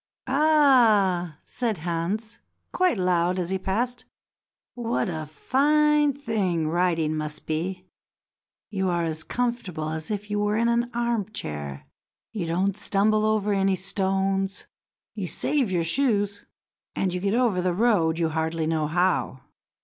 "Ah!" said Hans quite loud as he passed, "what a fine thing riding must be. You are as comfortable as if you were in an arm chair; you don't stumble over any stones; you save your shoes, and you get over the road you hardly know how."